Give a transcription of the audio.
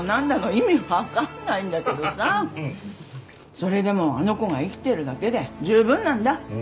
それでもあの子が生きてるだけで十分なんだ。